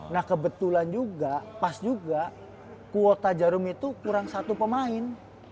nah kebetulan juga pas juga kuota jarum itu kurang satu pemain